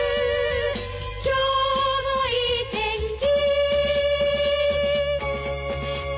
「今日もいい天気」